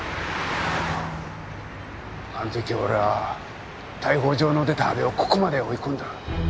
あの時俺は逮捕状の出た阿部をここまで追い込んだ。